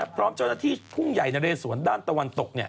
พร้อมเจ้านักที่พุ่งใหญ่นะเรศวรด้านตะวันตกเนี่ย